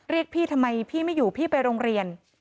เรียกพี่ทำไมพี่ไม่อยู่พี่ไปโรงเรียน